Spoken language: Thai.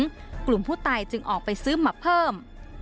กลุ่มผู้ตายจึงออกไปซื้อมาเพิ่ม